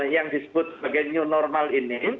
yang disebut sebagai new normal ini